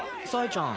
冴ちゃん